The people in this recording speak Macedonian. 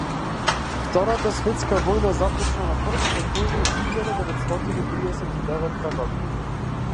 Втората светска војна започна на први септември илјада деветстотини триесет и деветта година.